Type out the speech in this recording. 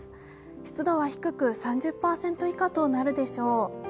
湿度は低く、３０％以下となるでしょう。